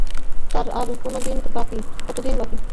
তার আর কতদিন বাকি।